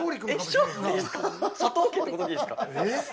佐藤家ってことでいいですか？